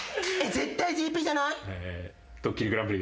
絶対『ＧＰ』じゃない？えー。